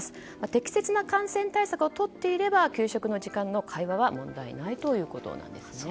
適切な感染対策をとっていれば給食の時間の会話は問題ないということなんですね。